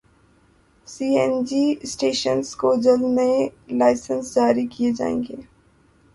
سی N G stations کو جلد نئے لائسنس جاری کیے جائیں گے